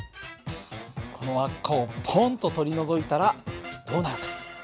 この輪っかをポンと取り除いたらどうなるか。